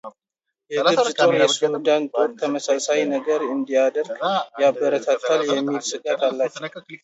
የግብጽ ጦር የሱዳን ጦር ተመሳሳይ ነገር እንዲያደርግ ያበረታታል የሚል ስጋት አላቸው።